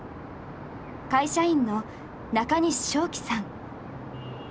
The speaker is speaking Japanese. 会社員の中西匠貴さん。